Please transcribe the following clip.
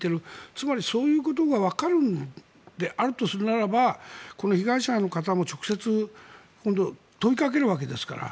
つまり、そういうことがわかるんであるとするならばこの被害者の方も直接問いかけるわけですから。